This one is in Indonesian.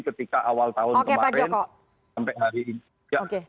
ketika awal tahun kemarin sampai hari ini